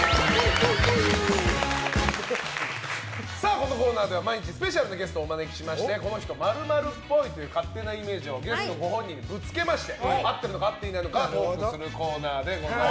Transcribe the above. このコーナーは毎日スペシャルなゲストをお招きしてこの人○○っぽいという勝手なイメージをゲストご本人にぶつけまして合っているのか合っていないのかトークするコーナーです。